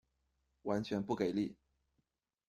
完全不给力